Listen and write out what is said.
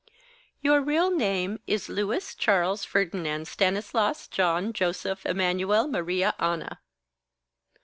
"Your real name is Louis Charles Ferdinand Stanislas John Joseph Emmanuel Maria Anna."